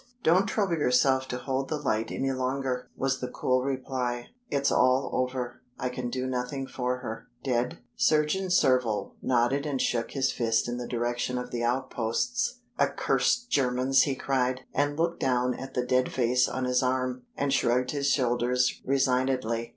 "Don't trouble yourself to hold the light any longer," was the cool reply. "It's all over I can do nothing for her." "Dead?" Surgeon Surville nodded and shook his fist in the direction of the outposts. "Accursed Germans!" he cried, and looked down at the dead face on his arm, and shrugged his shoulders resignedly.